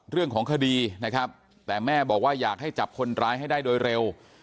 เรื่องของคดีนะครับแต่แม่บอกว่าอยากให้จับคนร้ายให้ได้โดยเร็ว